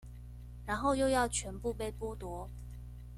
然後又要全部被剝奪